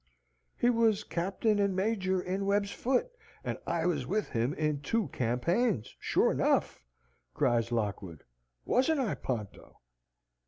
"He was Captain and Major in Webb's Foot, and I was with him in two campaigns, sure enough," cries Lockwood. "Wasn't I, Ponto?"